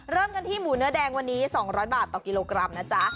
เริ่มกันที่หมูเนื้อแดงวันนี้๒๐๐บาทต่อกิโลกรัมนะจ๊ะ